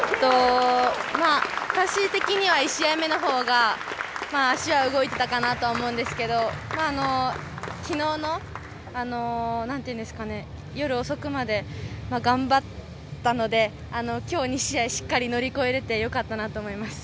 私的には１試合目のほうが足は動いてたかなと思うんですけど、きのうのなんて言うんですかね、夜遅くまで頑張ったので、きょう２試合、しっかり乗り越えれてよかったなと思います。